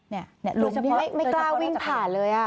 นี่หลุมนี้ไม่กล้าวิ่งผ่านเลย